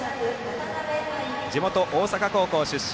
渡辺愛、地元・大阪高校出身。